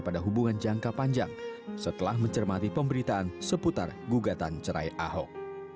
pada hubungan jangka panjang setelah mencermati pemberitaan seputar gugatan cerai ahok